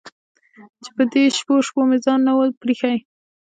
په دې چې په شپو شپو مې ځان نه و پرېښی.